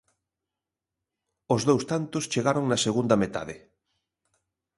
Os dous tantos chegaron na segunda metade.